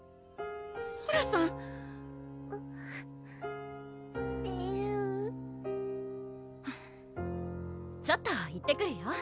ソラさんえるぅフゥちょっと行ってくるよ